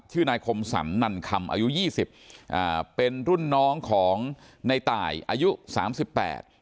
ชื่อนายคมสรรนันคำอายุยี่สิบอ่าเป็นรุ่นน้องของในตายอายุสามสิบแปด